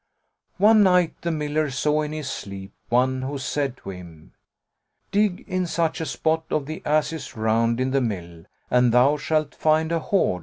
One night, the miller saw, in his sleep, one who said to him, "Dig in such a spot of the ass's round in the mill, and thou shalt find a hoard."